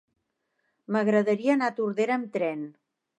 M'agradaria anar a Tordera amb tren.